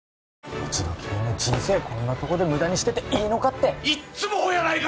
一度きりの人生こんなとこで無駄にしてていいのかっていっつもほやないか！